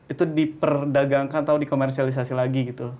itu diperdagangkan atau dikomersialisasi lagi gitu